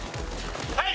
はい！